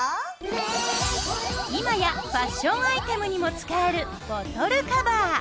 今やファッションアイテムにも使えるボトルカバー。